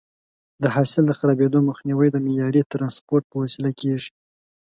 د حاصل د خرابېدو مخنیوی د معیاري ټرانسپورټ په وسیله کېږي.